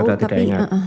saudara tidak ingat